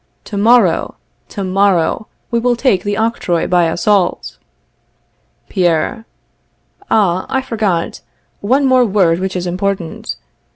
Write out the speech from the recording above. To morrow, to morrow, we will take the octroi by assault. Pierre. Ah, I forgot. One word more which is important.